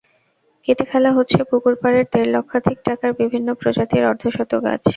কেটে ফেলা হচ্ছে পুকুরপাড়ের দেড় লক্ষাধিক টাকার বিভিন্ন প্রজাতির অর্ধশত গাছ।